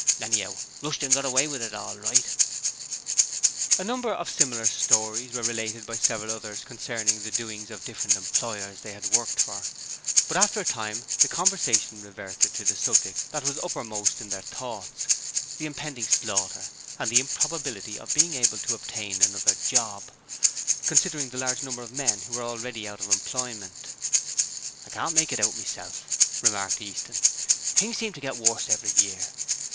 Anyhow, Rushton got away with it all right.' A number of similar stories were related by several others concerning the doings of different employers they had worked for, but after a time the conversation reverted to the subject that was uppermost in their thoughts the impending slaughter, and the improbability of being able to obtain another job, considering the large number of men who were already out of employment. 'I can't make it out, myself,' remarked Easton. 'Things seems to get worse every year.